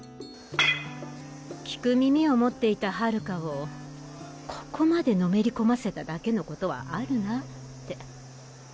聞く耳を持っていた春夏をここまでのめり込ませただけのことはあるなぁって。